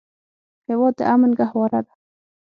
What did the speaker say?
هېواد د امن ګهواره ده.